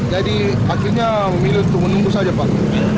jadi akhirnya memilih untuk menunggu saja pak